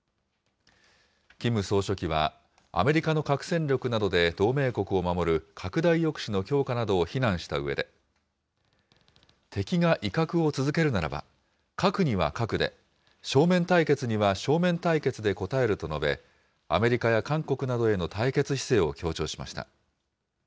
キム総書記は、アメリカの核戦力などで同盟国を守る拡大抑止の強化などを非難したうえで、敵が威嚇を続けるならば、核には核で、正面対決には正面対決で応えると述べ、アメリカや韓国などへの対決姿勢を強調しました。